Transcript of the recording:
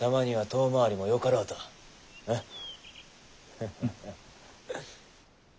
ハハハッ。